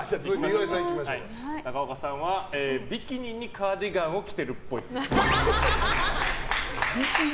高岡さんはビキニにカーディガンを着てるっぽい。